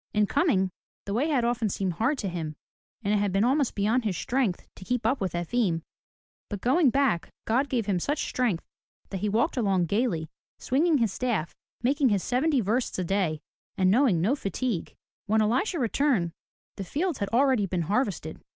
In coming, the way had often seemed hard to him, and it had been almost beyond his strength to keep up with Efim, but going back God gave him such strength that he walked along gaily, swinging his staff, making his seventy versts a day, and knowing no fatigue. When Elisha returned, the fields had already been harvested.